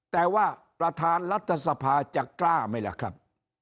แต่ว่าประธานรัฐสภาจะกล้าไหมล่ะครับ